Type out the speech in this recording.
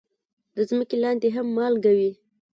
د ځمکې لاندې هم مالګه وي.